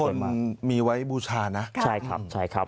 หลายคนมีไว้บูชานะ